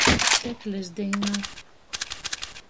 Teklis dīna.